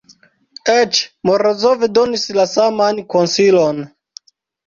Eĉ Morozov donis la saman konsilon.